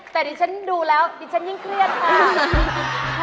แต่ดิฉันดูแล้วดิฉันยิ่งเครียดค่ะ